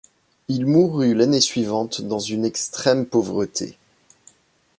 Il mourut l'année suivante dans une extrême pauvreté.